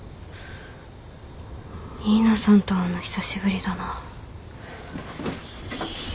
新名さんと会うの久しぶりだな。